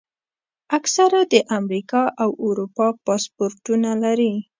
اکثره د امریکا او اروپا پاسپورټونه لري.